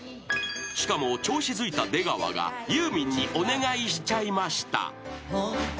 ［しかも調子づいた出川がユーミンにお願いしちゃいました］